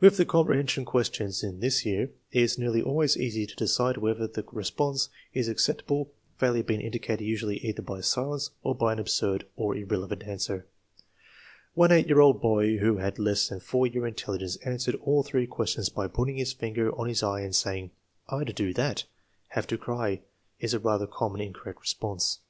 With the comprehension questions in this year it is nearly always easy to decide whether the response is ac ceptable, failure being indicated usually either by silence or by an absurd or irrelevant answer. One 8 year old boy who had less than 4 year intelligence answered all three questions by putting his finger on his eye and saying: " I 'd do that." " Have to cry " is a rather common in correct response.